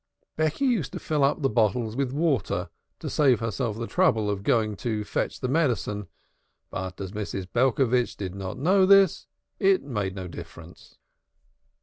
Becky used to fill up the bottles with water to save herself the trouble of going to fetch the medicine, but as Mrs. Belcovitch did not know this it made no difference.